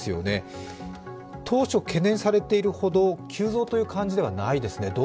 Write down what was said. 当初、懸念されているほど急増という感じではないですね。